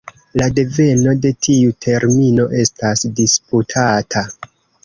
La deveno de tiu termino estas disputata.